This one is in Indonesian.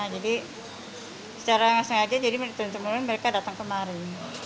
jadi secara langsung aja jadi turun temurun mereka datang kemari